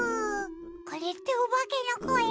これっておばけのこえ？